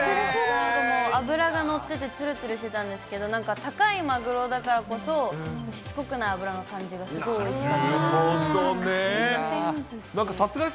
脂が乗っててつるつるしてたんですけど、なんか高いマグロだからこそ、しつこくない脂の感じがすごいおいしかったです。